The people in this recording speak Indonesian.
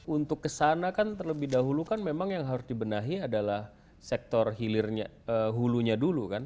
untuk kesana kan terlebih dahulu kan memang yang harus dibenahi adalah sektor hulunya dulu kan